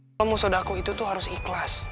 kalau musuh daku itu harus ikhlas